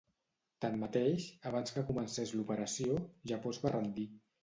Tanmateix, abans que comencés l'operació, Japó es va rendir.